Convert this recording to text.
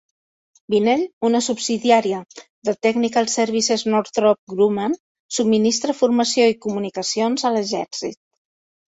Vinnell, una subsidiària de Technical Services Northrop Grumman , subministra formació i comunicacions a l'exèrcit.